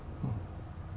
phát triển kinh tế